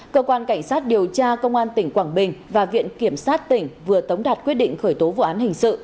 cơ quan cảnh sát điều tra công an tp hcm và viện kiểm sát tp hcm vừa tống đặt quyết định khởi tố vụ án hình sự